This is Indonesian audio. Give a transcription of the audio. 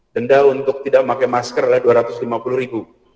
denda untuk tidak memakai masker adalah dua ratus lima puluh ribu